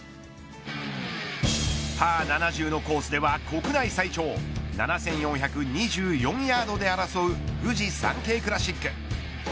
パー７０のコースでは国内最長７４２４ヤードで争うフジサンケイクラシック。